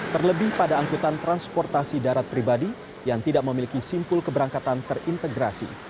terlebih pada angkutan transportasi darat pribadi yang tidak memiliki simpul keberangkatan terintegrasi